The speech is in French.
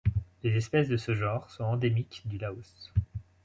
Les espèces de ce genre sont endémiques du Laos.